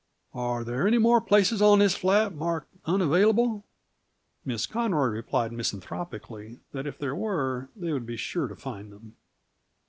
Are there any more places on this flat marked Unavailable?" Miss Conroy replied misanthropically that if there were they would be sure to find them.